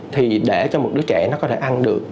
thì để cho một đứa trẻ nó có thể ăn được